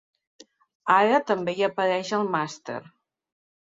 Ara també hi apareix el màster.